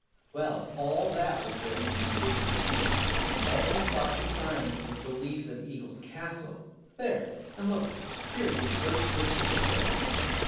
"Well, all that was written in invisible ink, and all he thought he signed was the lease of Eagles Castle. There ! And look, here is the first dish of asparagus."